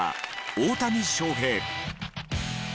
大谷翔平。